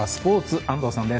安藤さんです。